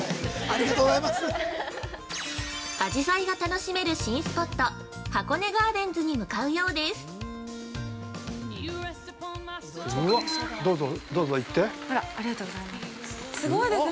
◆あじさいが楽しめる新スポット「箱根ガーデンズ」に向かうようです。